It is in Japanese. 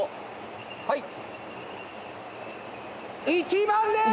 はい１番です。